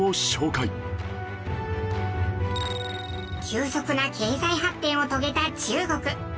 急速な経済発展を遂げた中国。